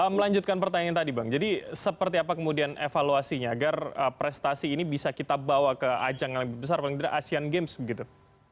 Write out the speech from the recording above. melanjutkan pertanyaan tadi bang jadi seperti apa kemudian evaluasinya agar prestasi ini bisa kita bawa ke ajang yang lebih besar paling tidak asean games begitu